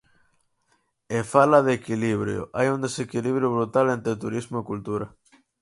E fala de equilibrio, hai un desequilibrio brutal entre turismo e cultura.